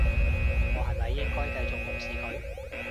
我係咪應該繼續無視佢？